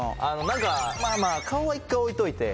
何かまあまあ顔は１回置いといて。